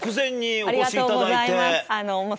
ありがとうございます。